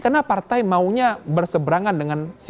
karena partai maunya berseberangan dengan sikap dan negara